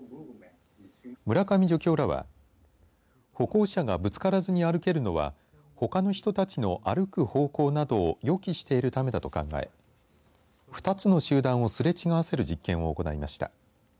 村上助教らは歩行者がぶつからずに歩けるのはほかの人たちの歩く方向などを予期しているためだと考え２つの集団をすれ違わせる実験を行いました。